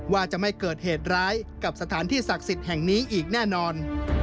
ว่าจะไม่เกิดเหตุร้ายกับสถานที่ศักดิ์สิทธิ์แห่งนี้อีกแน่นอน